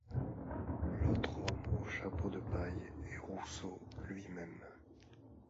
L'autre homme au chapeau de paille est Rousseau lui-même.